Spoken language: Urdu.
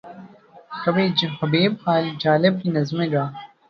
کبھی حبیب جالب کی نظمیں گا۔